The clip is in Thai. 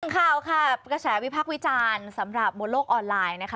ข่าวค่ะกระแสวิพักษ์วิจารณ์สำหรับบนโลกออนไลน์นะคะ